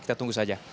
kita tunggu saja